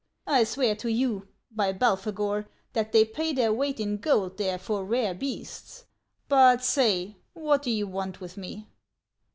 I swear to you, by Belphegor, that they pay their weight in gold there for rare beasts ; but say, what do you want with me